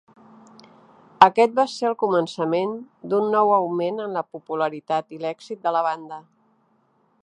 Aquest va ser el començament d'un nou augment en la popularitat i l'èxit de la banda.